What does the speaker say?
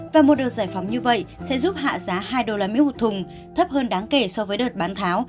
và một đợt giải phóng như vậy sẽ giúp hạ giá hai usd một thùng thấp hơn đáng kể so với đợt bán tháo